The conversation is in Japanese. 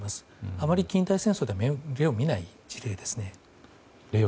あまり近代戦争でも例を見ない事例ですね。